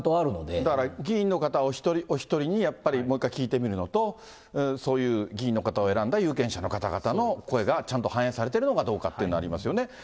だから、議員の方お一人一人に、やっぱりもう一回聞いてみるのと、そういう議員の方を選んだ有権者の方々の声がちゃんと反映されてるのかどうかというのがありますよね。